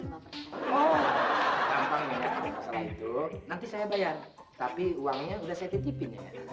gampang ya sama itu nanti saya bayar tapi uangnya udah saya titipin ya